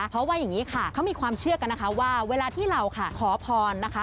เพราะว่าอย่างนี้ค่ะเขามีความเชื่อกันนะคะว่าเวลาที่เราค่ะขอพรนะคะ